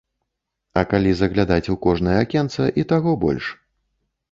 А калі заглядаць у кожнае акенца і таго больш.